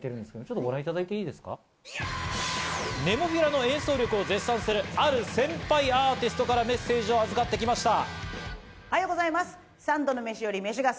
ＮＥＭＯＰＨＩＬＡの演奏力を絶賛する、ある先輩アーティストからメッセージを預かってきました。